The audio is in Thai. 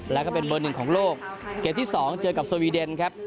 แล้วก็เป็นเบอร์หนึ่งของโลกเกมที่สองเจอกับสวีเดนครับ